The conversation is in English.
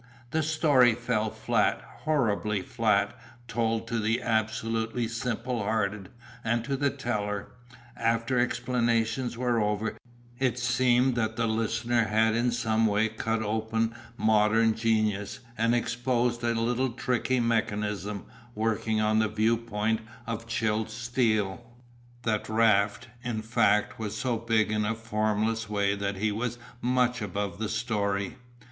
The story fell flat, horribly flat, told to the absolutely simple hearted, and to the Teller, after explanations were over, it seemed that the Listener had in some way cut open modern genius and exposed a little tricky mechanism working on a view point of chilled steel. That Raft, in fact, was so big in a formless way that he was much above the story.